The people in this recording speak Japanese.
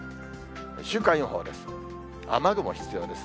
週間予報です。